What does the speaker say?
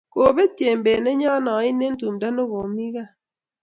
Kobet Jembet nennyo ain eng' tumdo ne komie kaa